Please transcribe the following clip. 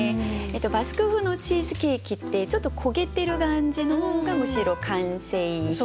バスク風のチーズケーキってちょっと焦げてる感じの方がむしろ完成品。